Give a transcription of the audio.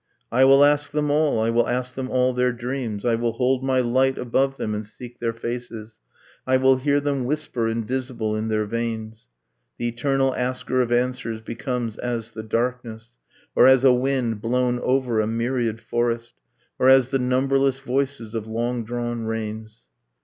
'I will ask them all, I will ask them all their dreams, I will hold my light above them and seek their faces, I will hear them whisper, invisible in their veins. ...' The eternal asker of answers becomes as the darkness, Or as a wind blown over a myriad forest, Or as the numberless voices of long drawn rains.